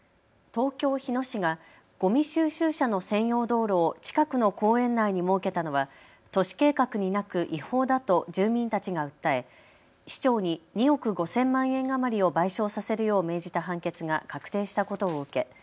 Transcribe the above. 東京日野市が、ごみ収集車の専用道路を近くの公園内に設けたのは都市計画になく違法だと住民たちが訴え市長に２億５０００万円余りを賠償させるよう命じた判決が確定したことを受け